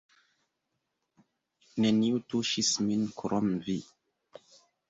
Neniu tuŝis min krom vi!